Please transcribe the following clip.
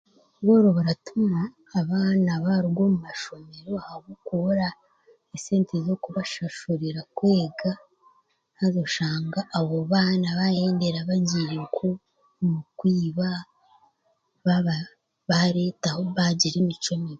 Obworo buratuma abaana baaruga mu mashomero ahabwokubura esente ezokubashashurira kwega haza oshanga abo baana bahendera bagiire nk' omu kwiba bareetaho, baagira emicwe mibi